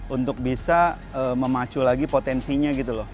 untuk bisa memacu lagi potensinya gitu loh